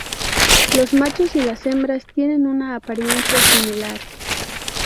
Los machos y las hembras tienen una apariencia similar.